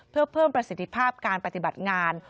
เพื่อเพิ่มประสิทธิภาพการปฏิบัติงาน